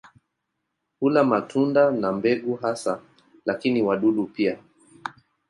Hula matunda na mbegu hasa lakini wadudu pia.